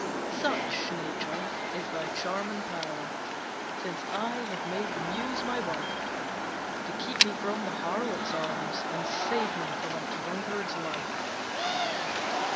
Such, Nature, is thy charm and power Since I have made the Muse my wife To keep me from the harlot's arms, And save me from a drunkard's life.